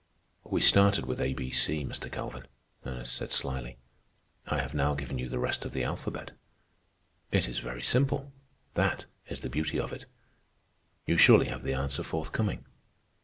"We started with A B C, Mr. Calvin," Ernest said slyly. "I have now given you the rest of the alphabet. It is very simple. That is the beauty of it. You surely have the answer forthcoming.